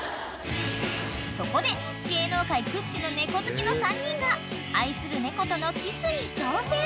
［そこで芸能界屈指の猫好きの３人が愛する猫とのキスに挑戦］